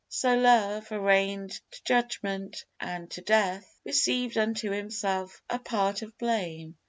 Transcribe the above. So Love, arraign'd to judgment and to death, Received unto himself a part of blame.